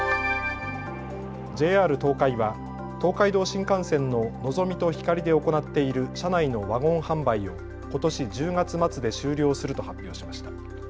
ＪＲ東海は東海道新幹線ののぞみとひかりで行っている車内のワゴン販売をことし１０月末で終了すると発表しました。